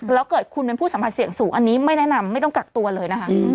แล้วเกิดคุณเป็นผู้สัมผัสเสี่ยงสูงอันนี้ไม่แนะนำไม่ต้องกักตัวเลยนะคะ